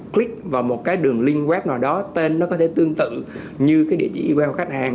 click vào một cái đường link web nào đó tên nó có thể tương tự như cái địa chỉ emai của khách hàng